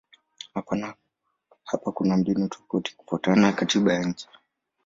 Hapa kuna mbinu tofauti kufuatana na katiba ya nchi.